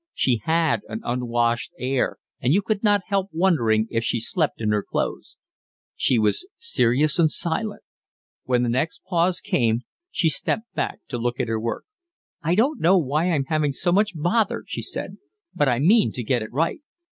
She had an unwashed air and you could not help wondering if she slept in her clothes. She was serious and silent. When the next pause came, she stepped back to look at her work. "I don't know why I'm having so much bother," she said. "But I mean to get it right."